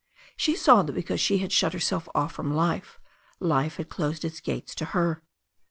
She saw that because she had shut herself off from life life had closed its gates to her.